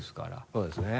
そうですね。